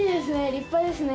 立派ですね。